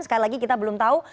sekali lagi kita belum tahu